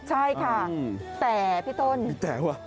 ใช่ค่ะแต่พี่ต้นพี่แจ๋ว่ะ